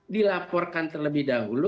dilaporkan terlebih dahulu